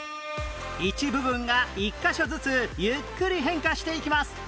一部分が１カ所ずつゆっくり変化していきます